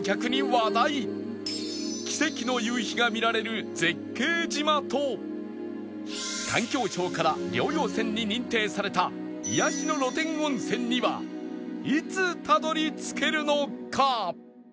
奇跡の夕日が見られる絶景島と環境省から療養泉に認定された癒やしの露天温泉にはいつたどり着けるのか？